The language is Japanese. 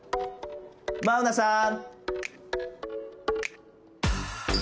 マウナさん。